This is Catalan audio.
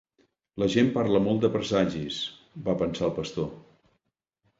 La gent parla molt de presagis, va pensar el pastor.